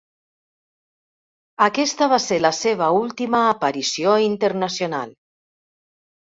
Aquesta va ser la seva última aparició internacional.